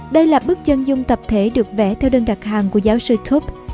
đây là bức chân dung tập thể được vẽ theo đơn đặc hàng của giáo sư túp